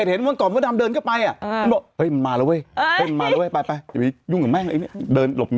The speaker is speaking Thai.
โชว์เชี่ยวหาชาวเน็ตแชร์ตำรวจจับผิดคน